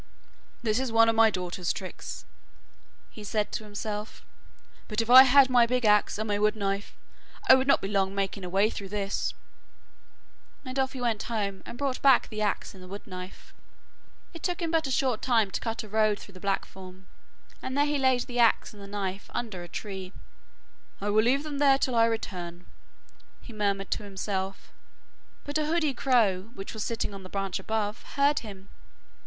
'This is one of my daughter's tricks,' he said to himself, 'but if I had my big axe and my wood knife, I would not be long making a way through this,' and off he went home and brought back the axe and the wood knife. It took him but a short time to cut a road through the blackthorn, and then he laid the axe and the knife under a tree. 'I will leave them there till I return,' he murmured to himself, but a hoodie crow, which was sitting on a branch above, heard him.